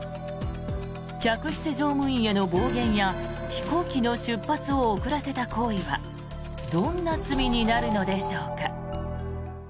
客室乗務員への暴言や飛行機の出発を遅らせた行為はどんな罪になるのでしょうか。